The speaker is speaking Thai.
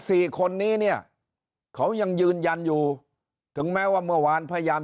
สี่คนนี้เนี่ยเขายังยืนยันอยู่ถึงแม้ว่าเมื่อวานพยายาม